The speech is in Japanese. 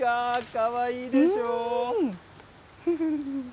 かわいいでしょ。